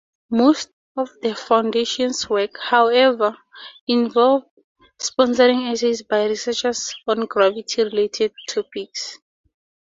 Most of the foundation's work, however, involved sponsoring essays by researchers on gravity-related topics.